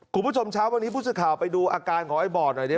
คุณผู้ชมเช้าวันนี้ผู้สื่อข่าวไปดูอาการของไอ้บอดหน่อยดิ